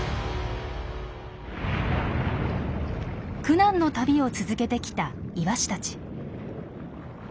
苦難の旅を続けてきたイワシたち。